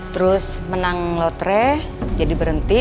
terus menang lotre jadi berhenti